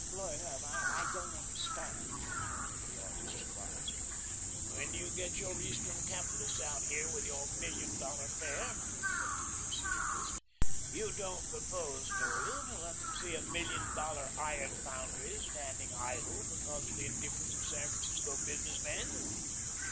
"Blowing up? I don't understand," murmured the artist, surprised. "When you get your Eastern capitalists out here with your Million Dollar Fair," continued Cedarquist, "you don't propose, do you, to let them see a Million Dollar Iron Foundry standing idle, because of the indifference of San Francisco business men?